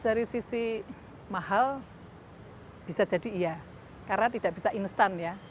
dari sisi mahal bisa jadi iya karena tidak bisa instan ya